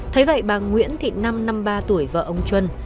thấy vậy bà nguyễn thì năm năm mươi ba tuổi vợ ông chuyên